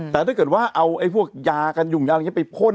แต่ถ้าเกิดว่าเอาพวกยากันยุ่งยาอะไรอย่างนี้ไปพ่น